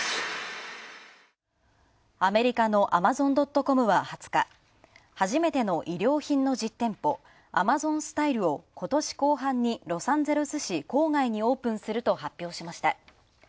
アメリカのアマゾン・ドット・コムは２０日初めての衣料品の実店舗、アマゾン・スタイルをことし後半にロサンゼルス市郊外にオープンすると発表しました。